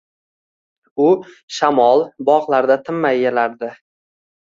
U — shamol, bog’larda tinmay yeladir.